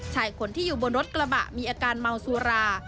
ชายคนที่อยู่บนรถกระบะมีอาการเมาสุรา